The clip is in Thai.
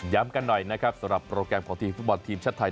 กันหน่อยนะครับสำหรับโปรแกรมของทีมฟุตบอลทีมชาติไทย